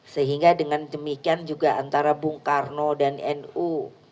sehingga dengan demikian juga antara bung karno dan nu